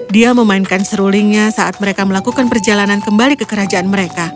dia memainkan serulingnya saat mereka melakukan perjalanan kembali ke kerajaan mereka